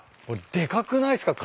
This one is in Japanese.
でかくないっすか？